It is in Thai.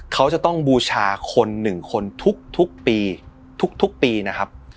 เขาจะต้องบูชาคนหนึ่งคนทุกปีทุกปีนะครับ